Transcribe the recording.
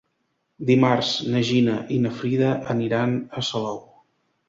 Dimarts na Gina i na Frida aniran a Salou.